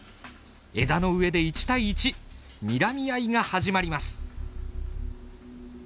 枝の上で１対１にらみ合いが始まります。